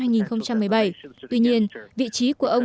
tuy nhiên vị trí của ông sorensen là một trong những hành động của ông